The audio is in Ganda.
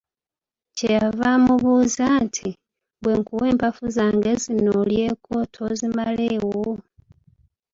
Kyeyava amubuuza nti, "Bwenkuwa empafu zange zino olyeko tozimalewo?"